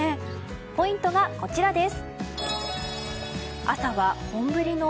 ポイントがこちらです。